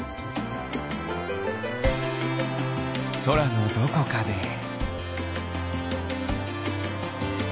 そらのどこかで。